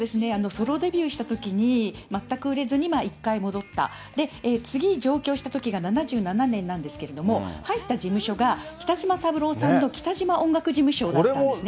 ソロデビューしたときに、全く売れずに１回戻った、次、上京したときが７７年なんですけれども、入った事務所が北島三郎さんの北島音楽事務所だったんですね。